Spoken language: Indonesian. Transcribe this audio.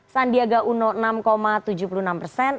sandiaga uno enam tujuh puluh enam persen